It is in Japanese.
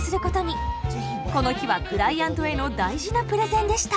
この日はクライアントへの大事なプレゼンでした。